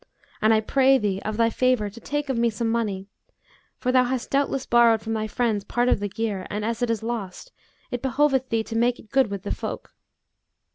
And I pray thee, of thy favour, to take of me some money, for thou hast doubtless borrowed from thy friends part of the gear and as it is lost, it behoveth thee to make it good with folk.'